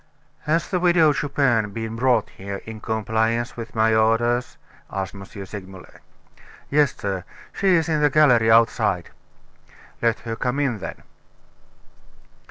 "Has the Widow Chupin been brought here, in compliance with my orders?" asked M. Segmuller. "Yes, sir; she is in the gallery outside." "Let her come in then."